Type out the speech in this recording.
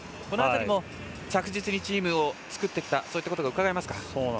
この辺りも着実にチームを作ってきたそういうことがうかがえますか。